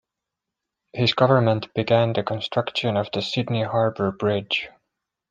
His government began the construction of the Sydney Harbour Bridge.